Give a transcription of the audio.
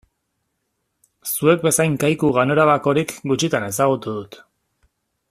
Zuek bezain kaiku ganorabakorik gutxitan ezagutu dut.